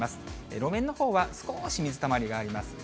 路面のほうは少し水たまりがあります。